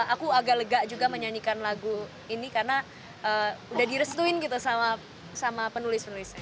aku agak lega juga menyanyikan lagu ini karena udah direstuin gitu sama penulis penulisnya